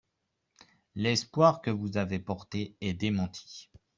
L’espoir que vous avez porté est démenti.